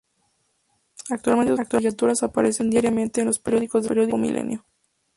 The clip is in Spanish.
Actualmente sus caricaturas aparecen diariamente en los periódicos del grupo Milenio.